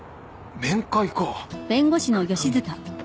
面会か。